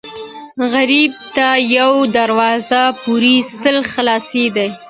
غریب ته یوه دروازه پورې سل خلاصې دي